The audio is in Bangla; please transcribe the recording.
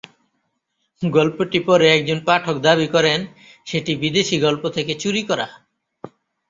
গল্পটি পড়ে একজন পাঠক দাবি করেন সেটি বিদেশি গল্প থেকে চুরি করা।